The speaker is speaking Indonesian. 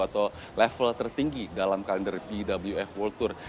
atau level tertinggi dalam kalender bwf world tour